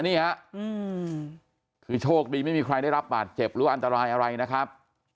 นี่ฮะคือโชคดีไม่มีใครได้รับบาดเจ็บหรืออันตรายอะไรนะครับ